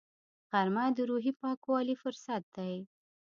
غرمه د روحي پاکوالي فرصت دی